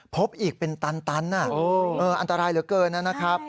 พบอีกเป็นตันอันตรายเหลือเกินนะครับ